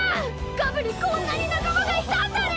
ガブにこんなになかまがいたんだね！